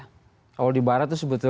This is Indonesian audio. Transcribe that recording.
kalau di barat itu sebetulnya